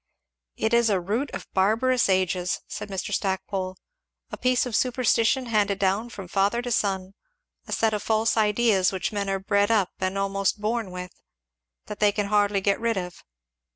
"It is a root of barbarous ages," said Mr. Stackpole, "a piece of superstition handed down from father to son a set of false ideas which men are bred up and almost born with, and that they can hardly get rid of."